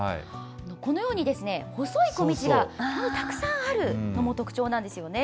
このように細い小道が非常にたくさんあるのも特徴なんですよね。